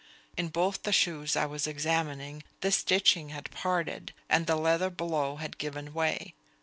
In both the shoes I was examining this stitching had parted, and the leather below had given way.